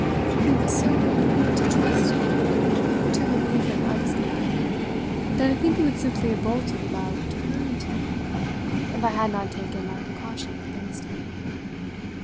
He was so willing to trust me to relieve him of his companion that I think he would simply have bolted without deferring to me if I had not taken my precautions against it.